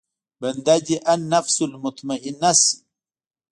بنده دې النفس المطمئنه شي.